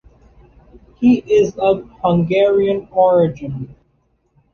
He is of Hungarian origin.